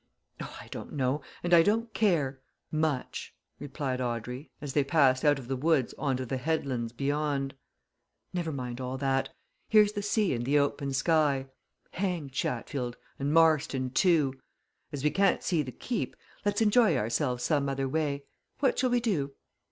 "Oh, I don't know and I don't care much," replied Audrey, as they passed out of the woods on to the headlands beyond. "Never mind all that here's the sea and the open sky hang Chatfield, and Marston, too! As we can't see the Keep, let's enjoy ourselves some other way. What shall we do?"